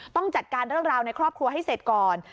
ต้องจัดการเรื่องราวในครอบครัวให้เสร็จก่อน